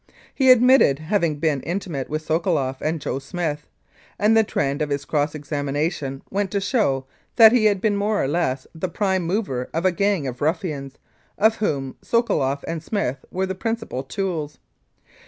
He admitted having been intimate with Sokoloff and "Joe Smith," and the trend of his cross examination went to show that he had been more or less the prime mover of a gang of ruffians, of whom Sokoloff and Smith were the principal tools.